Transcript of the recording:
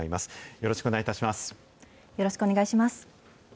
よろしくお願いします。